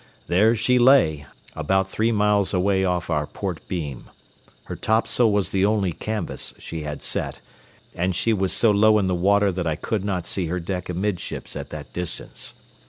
There she lay, about three miles away off our port beam. Her topsail was the only canvas she had set, and she was so low in the water that I could not see her deck amidships at that distance.